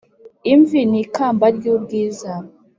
Imvi ni ikamba ry ubwiza